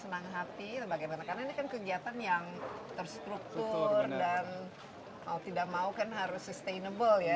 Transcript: karena ini kan kegiatan yang terstruktur dan kalau tidak mau kan harus sustainable ya